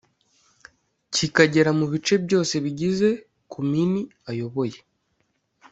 kikagera mu bice byose bigize komini ayoboye